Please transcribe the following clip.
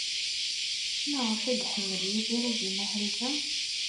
Maɣef ay iḥemmel Yidir ad imahel da?